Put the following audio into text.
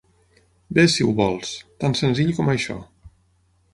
Vés, si ho vols, tan senzill com això.